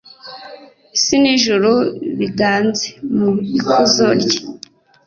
isi n’ijuru biganze mu ikuzo rye.